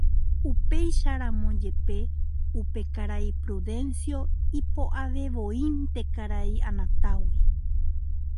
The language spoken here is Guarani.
Upéicharamo jepe, upe karai Prudencio ipo'avevoínte karai Anatágui.